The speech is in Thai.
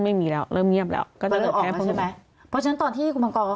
ไม่มีลูกค้าแล้วสิ